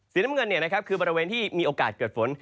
น้ำเงินคือบริเวณที่มีโอกาสเกิดฝน